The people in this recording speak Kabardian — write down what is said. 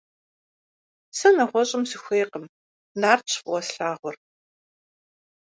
Сэ нэгъуэщӏым сыхуейкъым, Нартщ фӏыуэ слъагъур.